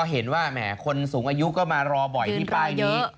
พอเห็นว่าคนสูงอายุก็มารอบ่อยที่ป้ายนี้